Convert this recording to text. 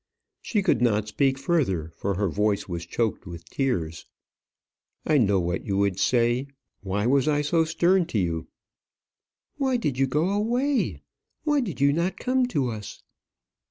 She could not speak further, for her voice was choked with tears. "I know what you would say. Why was I so stern to you!" "Why did you go away? Why did you not come to us?"